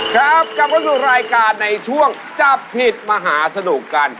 กลับมาสู่รายการในช่วงจับผิดมหาสนุกกัน